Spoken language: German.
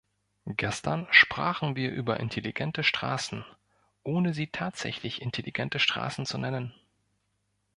Gestern sprachen wir über intelligente Straßen, ohne sie tatsächlich intelligente Straßen zu nennen.